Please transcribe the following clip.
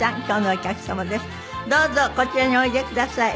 どうぞこちらにおいでください。